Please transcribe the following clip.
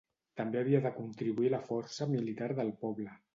També havia de contribuir a la força militar del poble.